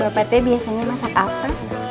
bapaknya biasanya masak apa